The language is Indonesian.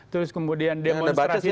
terus kemudian demonstrasi